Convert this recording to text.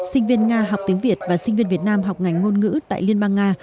sinh viên nga học tiếng việt và sinh viên việt nam học ngành ngôn ngữ tại liên bang nga